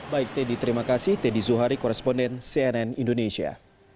baik teddy terima kasih teddy zuhari koresponden cnn indonesia